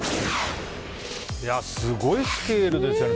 すごいスケールですね。